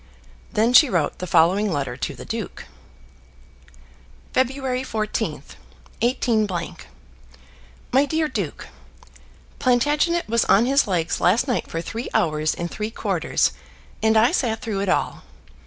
Then she wrote the following letter to the duke: February 14, 18 . MY DEAR DUKE, Plantagenet was on his legs last night for three hours and three quarters, and I sat through it all.